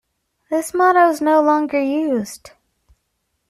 This motto is no longer used.